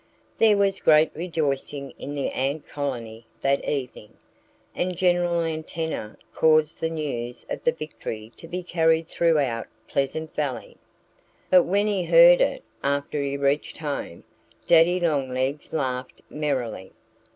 There was great rejoicing in the ant colony that evening. And General Antenna caused the news of the victory to be carried throughout Pleasant Valley. But when he heard it, after he reached home, Daddy Longlegs laughed merrily.